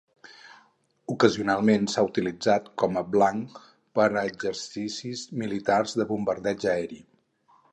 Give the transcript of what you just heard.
Ocasionalment s'ha utilitzat com a blanc per a exercicis militars de bombardeig aeri.